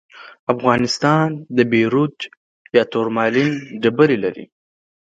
افغانستان د بیروج یا تورمالین ډبرې لري.